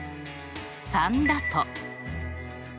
３だと。